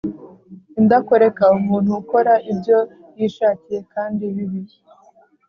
indakoreka: umuntu ukora ibyo yishakiye kandi bibi